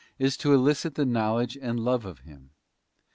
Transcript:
105 is to elicit the knowledge and the love of Him.